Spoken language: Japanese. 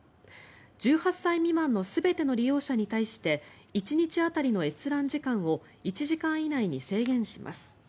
１８歳未満の全ての利用者に対して１日当たりの閲覧時間を１時間以内に制限します。